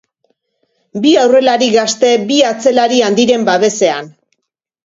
Bi aurrelari gazte bi atzelari handiren babesean.